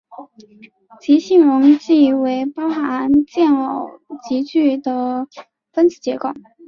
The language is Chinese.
极性溶剂为包含键偶极矩的分子结构。